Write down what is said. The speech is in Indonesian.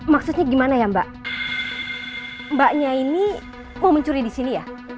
maksudnya gimana ya mbak mbaknya ini mau mencuri disini ya